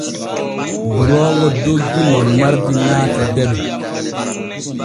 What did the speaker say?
Duroowo doggi no mardi naati deme.